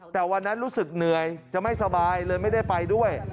แต่วันนั้นรู้สึกเหนื่อยจะไม่สบายเลยไม่ได้ไปด้วย